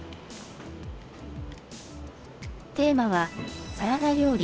テーマは、サラダ料理。